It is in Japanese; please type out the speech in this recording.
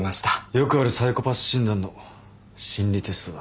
よくあるサイコパス診断の心理テストだ。